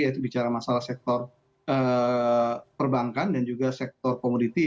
yaitu bicara masalah sektor perbankan dan juga sektor komoditi